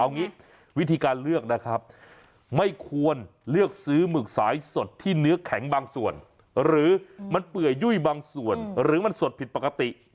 เอางี้วิธีการเลือกนะครับไม่ควรเลือกซื้อหมึกสายสดที่เนื้อแข็งบางส่วนหรือมันเปื่อยยุ่ยบางส่วนหรือมันสดผิดปกติ